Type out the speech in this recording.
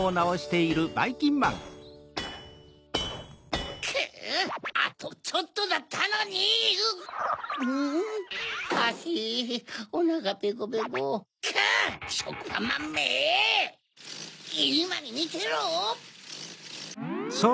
いまにみてろ！